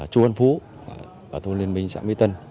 chu văn phú thôn liên minh xã mỹ tân